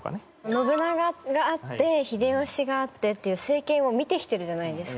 信長があって秀吉があってっていう政権を見てきてるじゃないですか。